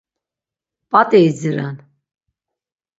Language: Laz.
P̌at̆i idziren.